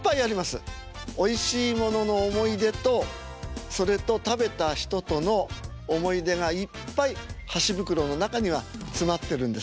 おいしいものの思い出とそれと食べた人との思い出がいっぱい箸袋の中には詰まってるんです。